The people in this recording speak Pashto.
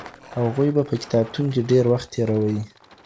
هغوی به په کتابتون کي ډیر وخت تېروي.